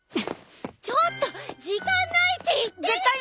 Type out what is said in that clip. ちょっと時間ないって言ってる。